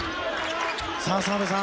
澤部さん